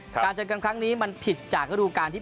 การเจอกันครั้งนี้มันผิดจากฤดูการที่๒